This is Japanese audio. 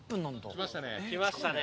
来ましたね。